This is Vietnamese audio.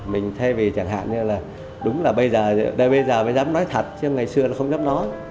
mình thay vì chẳng hạn như là đúng là bây giờ đây bây giờ mới dám nói thật chứ ngày xưa là không dám nói